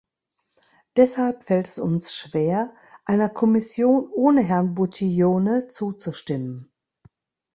Deshalb fällt es uns schwer, einer Kommission ohne Herrn Buttiglione zuzustimmen.